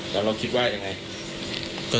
แล้วเราคิดว่ายังไง